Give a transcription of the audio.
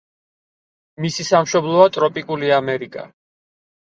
მისი სამშობლოა ტროპიკული ამერიკა.